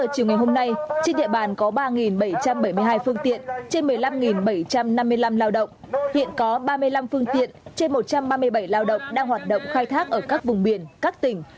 trên một trăm ba mươi bảy lao động đang hoạt động khai thác ở các vùng biển các tỉnh